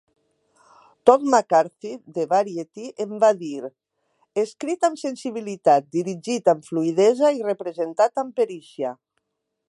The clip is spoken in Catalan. Todd McCarthy de "Variety" en va dir "escrit amb sensibilitat, dirigit amb fluïdesa i representat amb perícia".